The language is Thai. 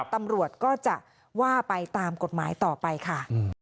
ตำรวจก็จะว่าไปตามกฎหมายต่อไปค่ะ